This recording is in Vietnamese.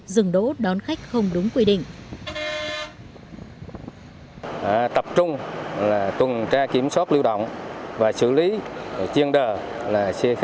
dừng đỗ đón khách không đúng quy định